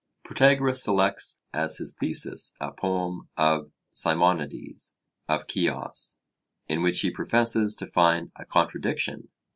Protagoras selects as his thesis a poem of Simonides of Ceos, in which he professes to find a contradiction.